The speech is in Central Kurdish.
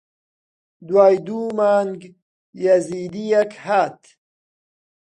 دوای دوو مانگ یەزیدییەک هات